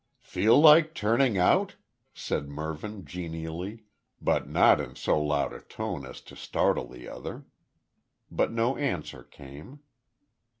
"Feel like turning out?" said Mervyn genially, but not in so loud a tone as to startle the other. But no answer came.